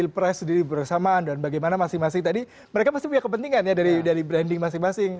ya tadi pileg kemudian juga pilpres bersamaan dan bagaimana masing masing tadi mereka pasti punya kepentingan ya dari branding masing masing